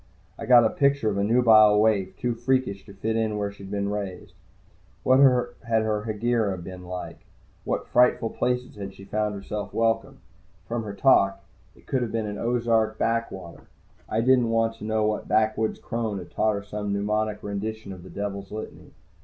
I got a picture of a nubile waif, too freakish to fit where she'd been raised. What had her Hegira been like? In what frightful places had she found herself welcome? From her talk, it could have been an Ozark backwater. I didn't want to know what backwoods crone had taught her some mnemonic rendition of the Devil's Litany.